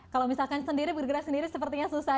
kalau misalkan sendiri bergerak sendiri sepertinya susah